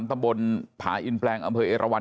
ตำบลผาอินแปลงอำเภอเอราวัน